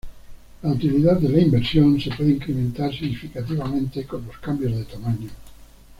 La utilidad de la inversión se puede incrementar significativamente con los cambios de tamaño.